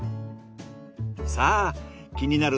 さあ気になる